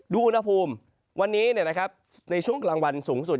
อุณหภูมิวันนี้ในช่วงกลางวันสูงสุด